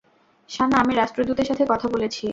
সানা, আমি রাষ্ট্রদূতের সাথে কথা বলেছি।